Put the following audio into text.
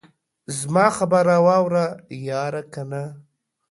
زما خبره واوره ياره کنه.